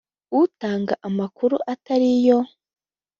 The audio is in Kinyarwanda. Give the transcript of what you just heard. utanga amakuru atari yo